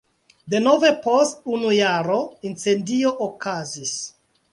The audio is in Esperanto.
Denove post unu jaro incendio okazis.